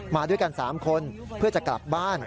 มาด้วยกัน๓คนเพื่อจะกลับบ้าน